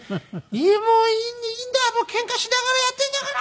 「いやもういいんだケンカしながらやってんだから」